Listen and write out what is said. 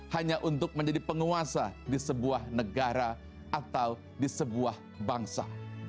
hanya untuk menjadi penguasa di sebuah negara atau di sebuah bangsa